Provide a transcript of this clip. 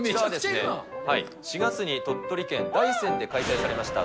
４月に鳥取県だいせんで開催されました